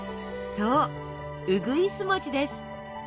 そううぐいす餅です。